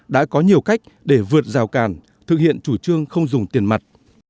đã có nhiều cách để vượt rào càn thực hiện chủ trương không dùng tiền mặt